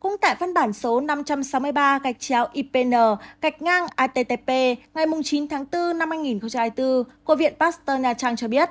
cũng tại phân bản số năm trăm sáu mươi ba ipn ittp ngày chín tháng bốn năm hai nghìn bốn của viện pasteur nha trang cho biết